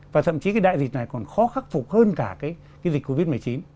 và thậm chí cái đại dịch này còn khó khắc phục hơn cả cái dịch covid một mươi chín